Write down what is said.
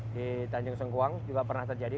di tanjung sengkuang juga pernah terjadi